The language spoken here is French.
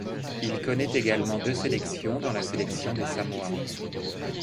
Il connaît également deux sélections dans la sélection des Samoa.